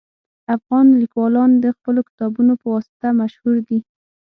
افغان لیکوالان د خپلو کتابونو په واسطه مشهور دي